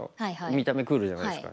見た目クールじゃないですか。